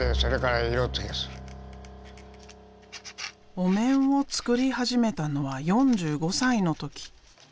お面を作り始めたのは４５歳の時。